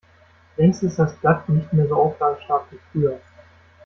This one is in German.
Längst ist das Blatt nicht mehr so auflagenstark wie früher.